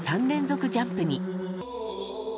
３連続ジャンプに。